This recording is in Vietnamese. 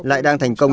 lại đang thành công